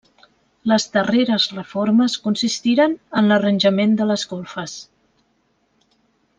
Les darreres reformes consistiren en l'arranjament de les golfes.